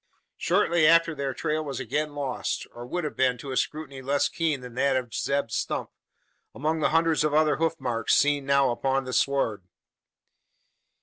Shortly after their trail was again lost or would have been to a scrutiny less keen than that of Zeb Stump among the hundreds of other hoof marks seen now upon the sward.